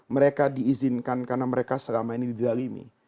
mereka diizinkan karena mereka selama ini dizalimi